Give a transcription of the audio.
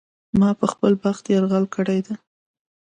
ما په خپل بخت یرغل کړی و.